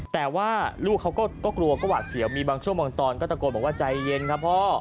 แต่ว่าลูกเขาก็กลัวก็หวาดเสียวมีบางช่วงบางตอนก็ตะโกนบอกว่าใจเย็นครับพ่อ